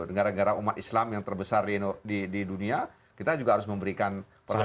negara negara umat islam yang terbesar di dunia kita juga harus memberikan perhatian